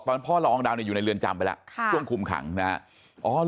ตอนนั้นพ่อละอองดาวเนี่ยอยู่ในเรือนจำไปแล้วช่วงคุมขังนะฮะ